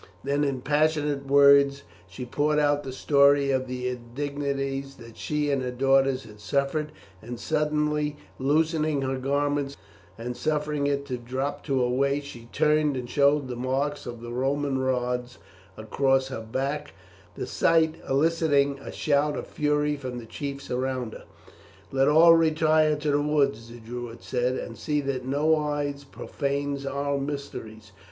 Then in passionate words she poured out the story of the indignities that she and her daughters had suffered, and suddenly loosening her garment, and suffering it to drop to her waist, she turned and showed the marks of the Roman rods across her back, the sight eliciting a shout of fury from the chiefs around her. "Let all retire to the woods," the Druids said, "and see that no eye profanes our mysteries.